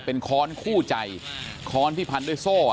เป็นค้อนคู่ใจค้อนที่พันด้วยโซ่